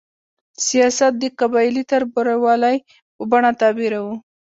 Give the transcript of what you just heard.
سیاست د قبایلي تربورولۍ په بڼه تعبیروو.